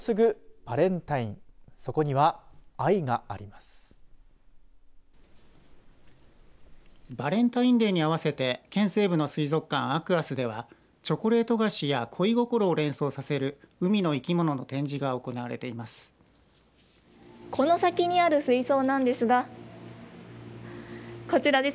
バレンタインデーに合わせて県西部の水族館アクアスではチョコレート菓子や恋心を連想させる海の生き物を展示が行われています。